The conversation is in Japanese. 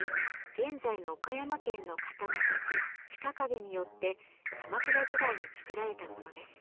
現在の岡山県の刀鍛冶近景によって鎌倉時代に作られたものです。